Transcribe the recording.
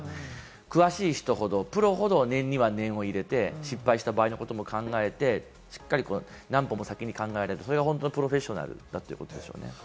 詳しい人ほど、プロほど念には念を入れて失敗した場合のことも考えて、しっかり何歩も先を考えられる、それが本当のプロフェッショナルってことですよね。